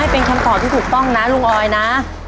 เป็นคำตอบที่ถูกต้องนะลุงออยนะ